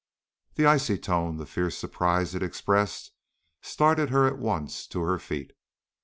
_" The icy tone, the fierce surprise it expressed, started her at once to her feet.